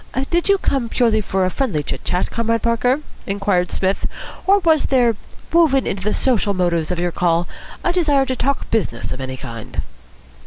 "Did you come purely for friendly chit chat, Comrade Parker," inquired Psmith, "or was there, woven into the social motives of your call, a desire to talk business of any kind?"